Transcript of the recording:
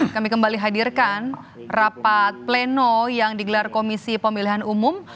kami kembali hadirkan rapat pleno yang digelar komisi pemilihan umum